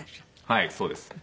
はいそうですね。